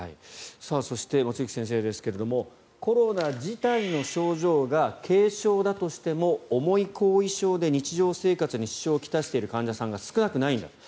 そして、望月先生ですがコロナ自体の症状が軽症だとしても思い後遺症で日常生活に支障を来している患者さんは少なくないんだと。